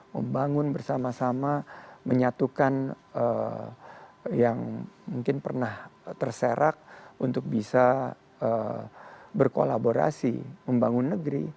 membangun bersama sama menyatukan yang mungkin pernah terserak untuk bisa berkolaborasi membangun negeri